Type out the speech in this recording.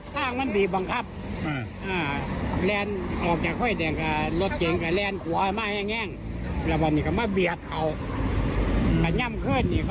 อยากให้ติ๊ดไว้เห็นแล้วให้ติ๊ดไว้ให้มันแจมกว่านี้